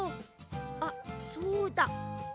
あっそうだ。